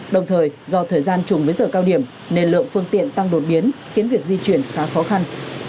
đồng thời do thời gian chùng với giờ cao điểm nên lượng phương tiện tăng đột biến khiến việc di chuyển khá khó khăn